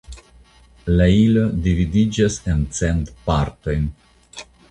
La ilo dividiĝas en cent partojn.